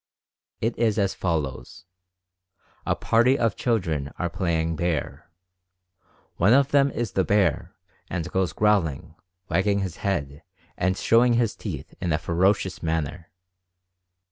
It is as follows : A party of children are playing "bear." One of them is the bear and goes growling, wagging his head, and showing his teeth in a ferocious manner.